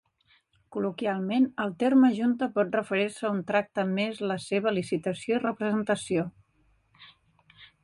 Col·loquialment, el terme "junta" pot referir-se a un tracte més la seva licitació i representació.